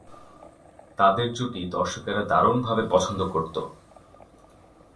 তাঁদের জুটি দর্শকেরা দারুণভাবে পছন্দ করতো।